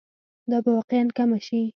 دا به واقعاً کمه شي.